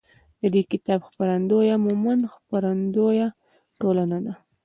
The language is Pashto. د دې کتاب خپرندویه مومند خپروندویه ټولنه ده.